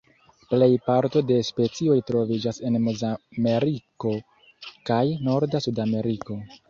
Plej parto de specioj troviĝas en Mezameriko kaj norda Sudameriko.